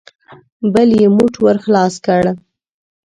بل يې موټ ور خلاص کړ.